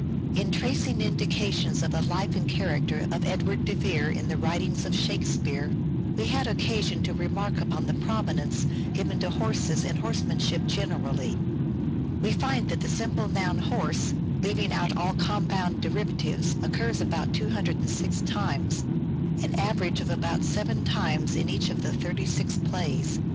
In tracing indications of the life and character of Edward de Vere in the writings of " Shakespeare " we had occasion to remark upon the prominence given to horses and horsemanship generally. We find that the simple noun " horse," leaving out all compound "THE TEMPEST" 521 derivatives, occurs about 206 times ; an average of about seven times in each of the 36 plays.